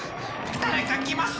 誰か来ます！